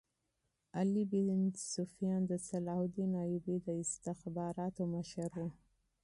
علي بن سفیان د صلاح الدین ایوبي د استخباراتو مشر وو